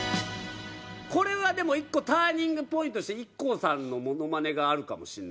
これはでも１個ターニングポイントとしてＩＫＫＯさんのモノマネがあるかもしれないですねなんか。